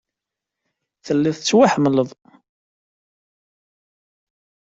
Telliḍ tettwaḥemmleḍ.